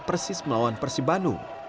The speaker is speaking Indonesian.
persis melawan persi bandung